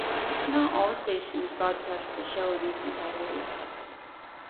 Not all stations broadcast the show in its entirety.